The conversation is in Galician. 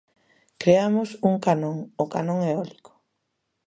Creamos un canon, o canon eólico.